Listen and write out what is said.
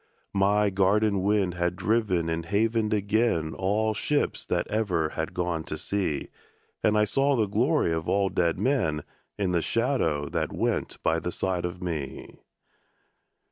My garden wind had driven and havened again All ships that ever had gone to sea, And I saw the glory of all dead men In the shadow that went by the side of me.